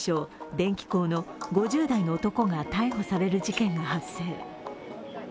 ・電気工の５０代の男が逮捕される事件が発生。